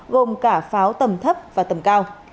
gồm cả pháo tầm thấp và tầm nổ